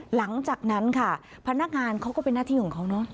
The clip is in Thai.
หลังจากนั้นค่ะพนักงานเขาก็เป็นหน้าที่ของเขาเนอะ